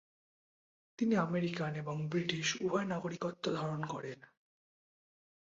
তিনি আমেরিকান এবং ব্রিটিশ উভয় নাগরিকত্ব ধারণ করেন।